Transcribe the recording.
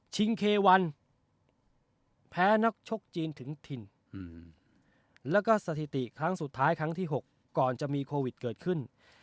เควันแพ้นักชกจีนถึงถิ่นแล้วก็สถิติครั้งสุดท้ายครั้งที่๖ก่อนจะมีโควิดเกิดขึ้น